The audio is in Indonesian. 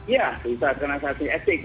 ya bisa terkena sangsi etik